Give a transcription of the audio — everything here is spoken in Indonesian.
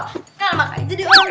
kal makanya jadi ular